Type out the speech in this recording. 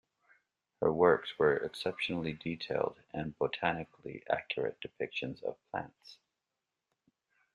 Her works were exceptionally detailed and botanically accurate depictions of plants.